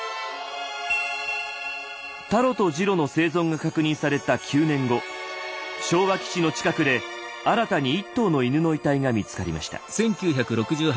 タロとジロの生存が確認された９年後昭和基地の近くで新たに１頭の犬の遺体が見つかりました。